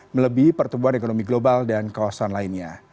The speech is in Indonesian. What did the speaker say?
melebihi pertumbuhan ekonomi global dan kawasan lainnya